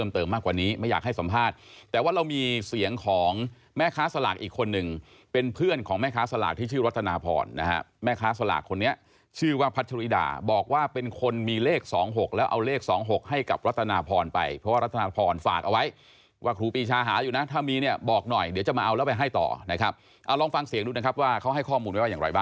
ทางฝั่งของแม่ค้าสลากอีกคนนึงเป็นเพื่อนของแม่ค้าสลากที่ชื่อรถนาพรนะครับแม่ค้าสลากคนนี้ชื่อว่าพัชรุอิดาบอกว่าเป็นคนมีเลข๒๖แล้วเอาเลข๒๖ให้กับรถนาพรไปเพราะว่ารถนาพรฝากเอาไว้ว่าครูปรีชาหาอยู่นะถ้ามีเนี่ยบอกหน่อยเดี๋ยวจะมาเอาแล้วไปให้ต่อนะครับเอาลองฟังเสียงดูนะครับว่าเขาให้ข้อมูล